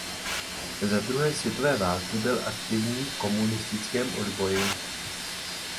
Za druhé světové války byl aktivní v komunistickém odboji.